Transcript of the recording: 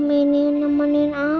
kalau kamu ini masih sedang mengetahuinya